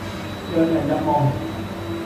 讓人入夢